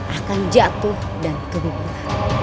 akan jatuh dan terbuka